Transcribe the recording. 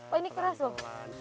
pak ini keras lho